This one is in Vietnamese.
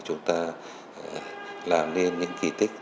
chúng ta làm nên những kỳ tích